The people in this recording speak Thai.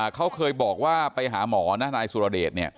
เขาเคยบอกว่าไปหาหมอนะนายสุรเดช